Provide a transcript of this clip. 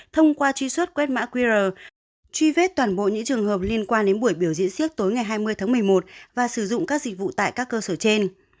thông qua truy xuất quét mã qr truy vết toàn bộ những trường hợp liên quan đến buổi biểu diễn siếc tối ngày hai mươi tháng một mươi một và sử dụng các dịch vụ tại các cơ sở trên